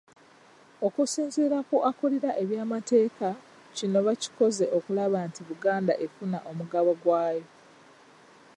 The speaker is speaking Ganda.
Okusinziira ku akulira ebyamateeka kino bakikoze okulaba nti Buganda efuna omugabo gwayo.